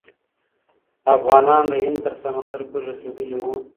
افغانان د هند تر سمندر پورې رسیدلي وو.